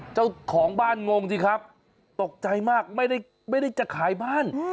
เจ้าของบ้านงงสิครับตกใจมากไม่ได้จะขายบ้าน